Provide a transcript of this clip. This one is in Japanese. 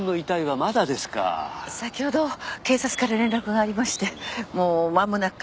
先ほど警察から連絡がありましてもう間もなくかと。